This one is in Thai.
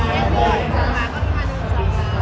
พี่ดอยครับ